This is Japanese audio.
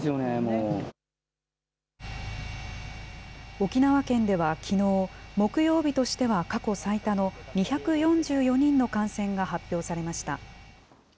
沖縄県ではきのう、木曜日としては過去最多の２４４人の感染が発表されました。